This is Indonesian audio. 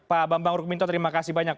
pak bambang rukminto terima kasih banyak